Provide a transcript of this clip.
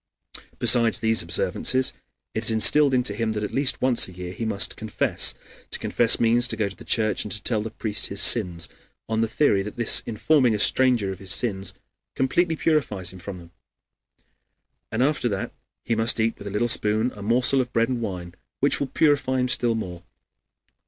Besides these observances, it is instilled into him that at least once a year he must confess. To confess means to go to the church and to tell the priest his sins, on the theory that this informing a stranger of his sins completely purifies him from them. And after that he must eat with a little spoon a morsel of bread with wine, which will purify him still more.